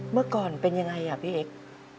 เมื่อก่อนเป็นอย่างไรพี่เอ็กซ์